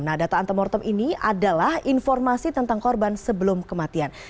nah data antemortem ini adalah informasi tentang korban sebelum kematian